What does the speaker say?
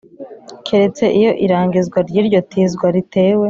keretse iyo irangizwa ry iryo tizwa ritewe